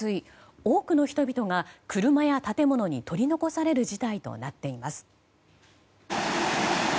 多くの人々が車や建物に取り残される事態となっています。